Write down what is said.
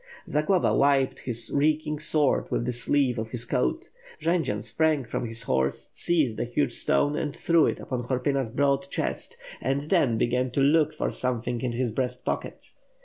Zagloba wiped his reeking sword with the sleeve of his coat. Jendzian sprang from his horse, seized a huge stone and threw it upon Horpyna's broad chest and then began to look for something in his breast pocket.